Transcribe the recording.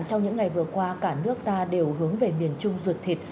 trong những ngày vừa qua cả nước ta đều hướng về miền trung ruột thịt